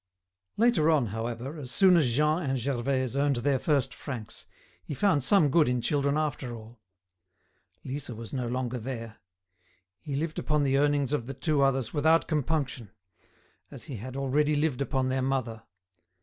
Later on, however, as soon as Jean and Gervaise earned their first francs, he found some good in children after all. Lisa was no longer there. He lived upon the earnings of the two others without compunction, as he had already lived upon their mother.